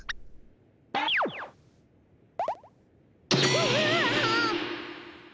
うわ！